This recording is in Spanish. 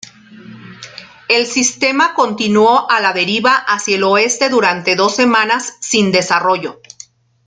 El sistema continuó a la deriva hacia el oeste durante dos semanas sin desarrollo.